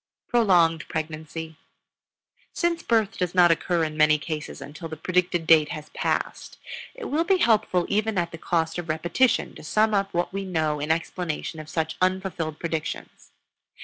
PROLONGED PREGNANCY. Since birth does not occur in many cases until the predicted date has been passed, it will be helpful even at the cost of repetition to sum up what we know in explanation of such unfulfilled predictions.